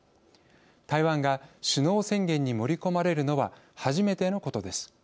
台湾が首脳宣言に盛り込まれるのは初めてのことです。